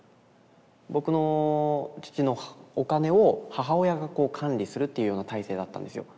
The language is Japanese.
僕の父のお金を母親が管理するっていうような体制だったんですよ。